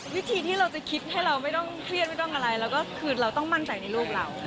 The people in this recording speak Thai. วิธีที่เราจะคิดให้เราไม่ต้องเครียดไม่ต้องอะไรเราก็คือเราต้องมั่นใจในลูกเรา